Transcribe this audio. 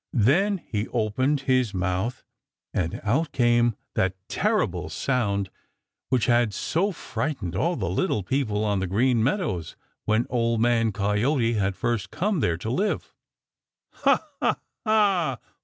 Then he opened his mouth and out came that terrible sound which had so frightened all the little people on the Green Meadows when Old Man Coyote had first come there to live. "Ha, ha, ha!